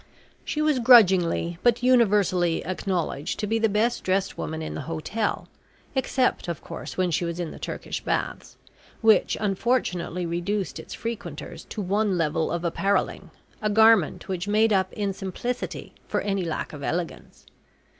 She was grudgingly but universally acknowledged to be the best dressed woman in the hotel except, of course, when she was in the Turkish Baths, which unfortunately reduced its frequenters to one level of apparelling, a garment which made up in simplicity for any lack of elegance.